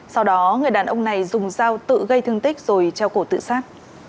sau đó người đàn ông này dùng dao tự gây thương tích rồi treo cổ tự sát